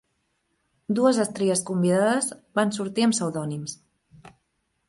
Dues estrelles convidades van sortir amb pseudònims.